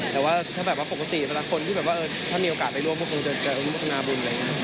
แต่ว่าถ้าแบบว่าปกติเวลาคนที่แบบว่าถ้ามีโอกาสไปร่วมก็คงจะอนุโมทนาบุญอะไรอย่างนี้